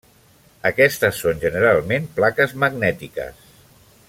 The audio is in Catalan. Aquestes són generalment plaques magnètiques.